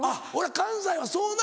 関西はそうな？